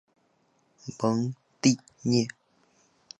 蒙蒂涅。